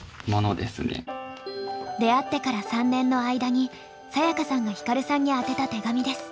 出会ってから３年の間にサヤカさんがヒカルさんに宛てた手紙です。